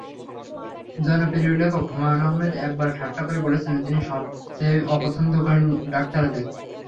জনপ্রিয় লেখক হুমায়ূন আহমেদ একবার ঠাট্টা করে বলেছিলেন, তিনি সবচেয়ে অপছন্দ করেন ডাক্তারদের।